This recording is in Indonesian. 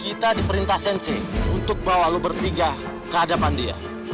kita diperintah sensi untuk bawa lu bertiga ke hadapan dia